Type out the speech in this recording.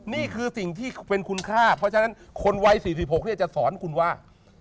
นี่คือสิ่งที่เป็นคุณค่าเพราะฉะนั้นคนวัย๔๖จะสอนคุณว่า